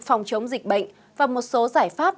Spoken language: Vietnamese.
phòng chống dịch bệnh và một số giải pháp